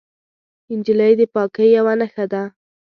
نجلۍ د پاکۍ یوه نښه ده.